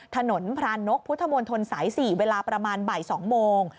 ถนนพรานกพุทธมนตรสาย๔เวลาประมาณบ่าย๒โมง